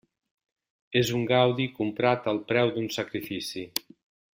És un gaudi comprat al preu d'un sacrifici.